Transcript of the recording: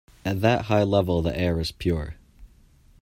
At that high level the air is pure.